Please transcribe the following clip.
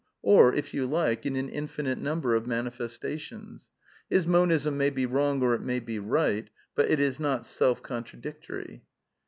or, if yon like, in an infinite number of manifestations. His Monism may be wrong or it may be right, but it is not self contradictory.